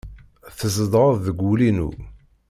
Tzedɣeḍ deg wul-inu.